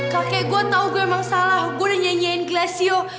kakek gue tau gue emang salah gue udah nyanyiin glasio